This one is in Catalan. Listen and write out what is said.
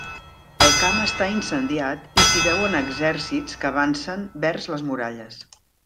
El camp està incendiat i s'hi veuen exèrcits que avancen vers les muralles.